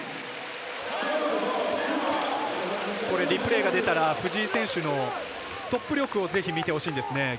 リプレーが出たら藤井選手のストップ力をぜひ見てほしいですね。